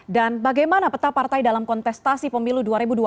dan bagaimana peta partai dalam kontestasi pemilu dua ribu dua puluh empat